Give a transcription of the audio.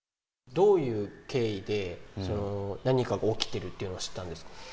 どういう経緯で、何かが起きているというのを知ったんですか？